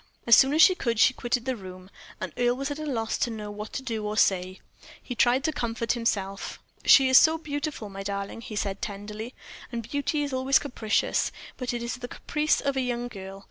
As soon as she could she quitted the room, and Earle was at a loss to know what to do or say. He tried to comfort himself. "She is so beautiful, my darling," he said, tenderly, "and beauty is always capricious; it is but the caprice of a young girl.